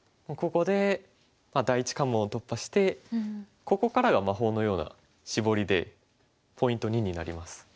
ここで第一関門を突破してここからが魔法のようなシボリでポイント２になります。